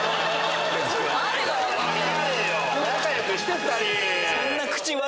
仲良くして２人！